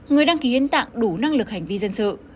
người đăng ký hiến tạng đủ năng lực hành vi dân sự